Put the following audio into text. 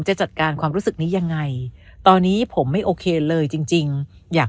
จะจัดการความรู้สึกนี้ยังไงตอนนี้ผมไม่โอเคเลยจริงอยาก